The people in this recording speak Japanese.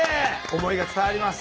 思いが伝わります。